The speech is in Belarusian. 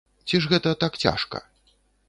Ці ж гэта так цяжка?